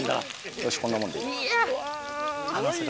よしこんなもんで。